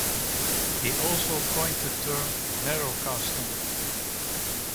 He also coined the term "narrowcasting".